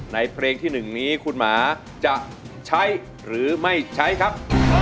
เพลงที่๑นี้คุณหมาจะใช้หรือไม่ใช้ครับ